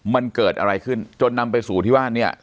มันเกิดอะไรขึ้นจนนำไปสู่ที่ว่าเนี่ย